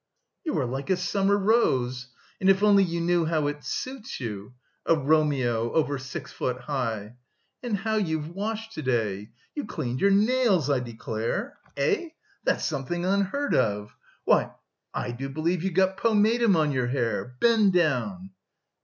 "You are like a summer rose. And if only you knew how it suits you; a Romeo over six foot high! And how you've washed to day you cleaned your nails, I declare. Eh? That's something unheard of! Why, I do believe you've got pomatum on your hair! Bend down."